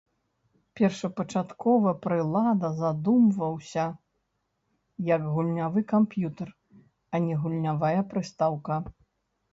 Першапачаткова прылада задумваўся як гульнявы камп'ютар, а не гульнявая прыстаўка.